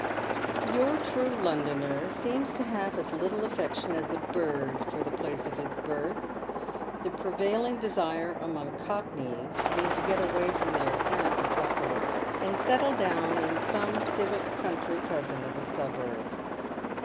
Yotje true Londoner seems to have as little affection as a bird for the place of his birth — the prevailing desire among Cockneys being to get away from their parent metropolis, and settle down in some civic country cousin of a suburb.